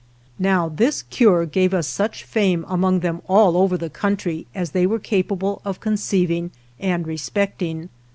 Now, this cure gave us such fame among them all over the country as they were cap able of conceiving and respecting.